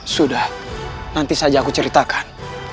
sudah nanti saja aku ceritakan